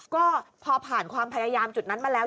ก็พอผ่านความพยายามจุดนั้นมาแล้ว